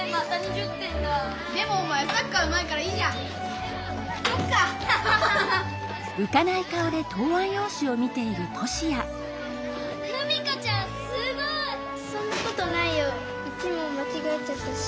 １もんまちがえちゃったし。